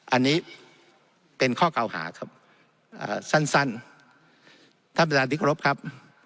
อันนี้เป็นข้อกล่าวหาครับสั้นท่านพิสาธิกรพครับ